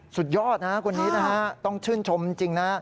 สุดยอดนะครับคนนี้ต้องชื่นชมจริง